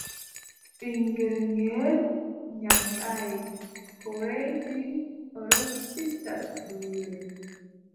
Ɓiŋngel ngeel nyamɗaay, ko weeti o ɗon tijja duule.